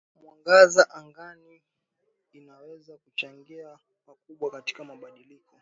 mwangaza angani na inaweza kuchangia pakubwa katika mabadiliko